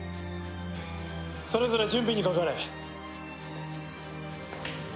それぞれ準備にかかれ。